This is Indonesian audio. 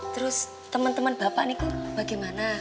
terus temen temen bapak nih kok bagaimana